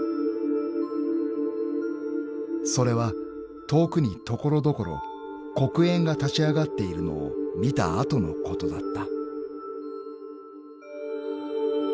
［それは遠くに所々黒煙が立ち上がっているのを見た後のことだった］